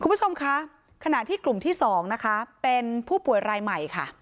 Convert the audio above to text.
คุณผู้ชมคะขณะที่กลุ่มที่๒นะคะเป็นผู้ป่วยรายใหม่ค่ะ